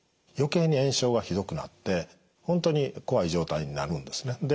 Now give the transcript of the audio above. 余計に炎症がひどくなって本当に怖い状態になるんですね。